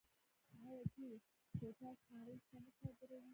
آیا دوی پوټاش نړۍ ته نه صادروي؟